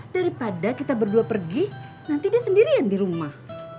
daripada kita berdua pergi nanti dia sendirian di rumah